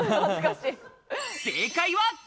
正解は。